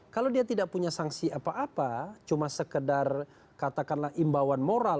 kalau dia tidak punya sanksi apa apa cuma sekedar katakanlah imbauan moral